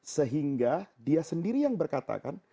sehingga dia sendiri yang berkata kan